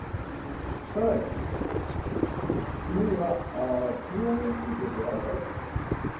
さらに、次には賃上げについて伺いたいと思います。